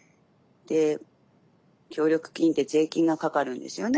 協力金って税金がかかるんですよね。